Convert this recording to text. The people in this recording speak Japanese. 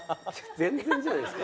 全然じゃないですか。